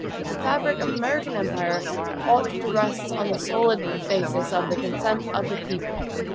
The fabric of American empire ought to rest on the solid basis of THE CONSENT OF THE PEOPLE.